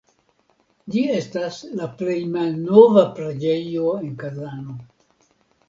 Ĝi estas la plej malnova preĝejo en Kazano.